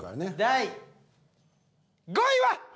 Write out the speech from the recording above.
第５位は？